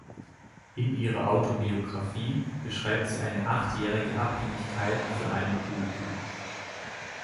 In ihrer Autobiografie beschreibt sie eine achtjährige Abhängigkeit von einem Guru.